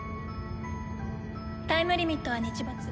タイムリミットは日没。